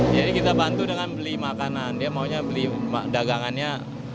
jadi kita bantu dengan beli makanan dia maunya beli dagangannya